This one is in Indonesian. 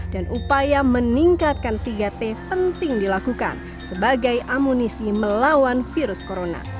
dan upaya meningkatkan tiga t penting dilakukan sebagai amunisi melawan virus corona